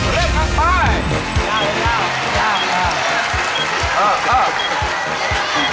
เรียบขับไป